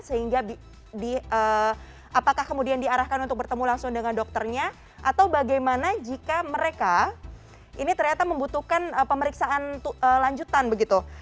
sehingga apakah kemudian diarahkan untuk bertemu langsung dengan dokternya atau bagaimana jika mereka ini ternyata membutuhkan pemeriksaan lanjutan begitu